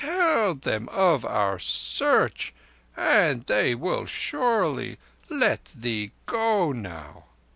Tell them of our Search, and they will surely let thee go now."